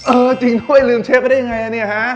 เออจริงด้วยลืมเชฟไปได้ยังไงเนี่ยฮะ